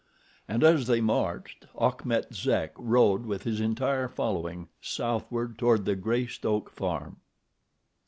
And as they marched, Achmet Zek rode with his entire following southward toward the Greystoke farm.